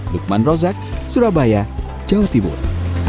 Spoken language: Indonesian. lukman rozak surabaya jawa timur